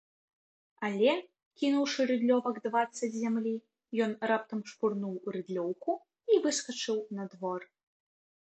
Але, кінуўшы рыдлёвак дваццаць зямлі, ён раптам шпурнуў рыдлёўку і выскачыў на двор.